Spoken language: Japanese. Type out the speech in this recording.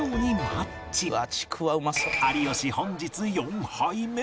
有吉本日４杯目